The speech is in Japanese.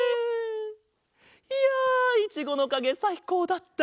いやいちごのかげさいこうだった！